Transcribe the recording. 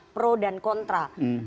pro dan kontra